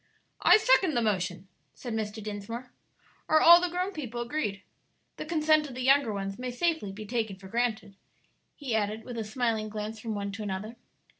"I second the motion," said Mr. Dinsmore. "Are all the grown people agreed? The consent of the younger ones may safely be taken for granted," he added, with a smiling glance from one to another.